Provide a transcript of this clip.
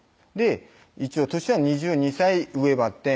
「一応歳は２２歳上ばってん」